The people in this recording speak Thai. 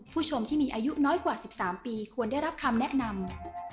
ผู้ชมที่มีอายุน้อยกว่า๑๓ปีควรได้รับคำแนะนำ